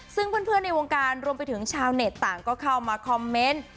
ซึ่งเพื่อนในวงการรวมไปถึงชาวเน็ตต่างก็เข้ามาคอมเมนต์